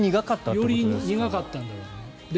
より苦かったんだろうね。